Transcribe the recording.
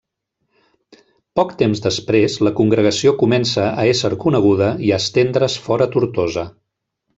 Poc temps després, la congregació comença a ésser coneguda i a estendre's fora Tortosa.